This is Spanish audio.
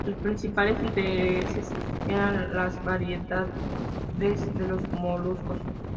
Sus principales intereses eran las variedades de los moluscos.